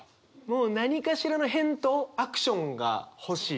もう何かしらの返答アクションが欲しい。